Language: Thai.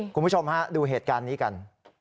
คุณผู้ชมฮะดูเหตุการณ์นี้กัน